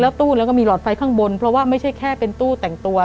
ตู้แล้วก็มีหลอดไฟข้างบนเพราะว่าไม่ใช่แค่เป็นตู้แต่งตัว